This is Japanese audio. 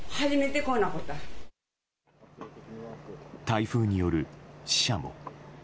台風による死者も。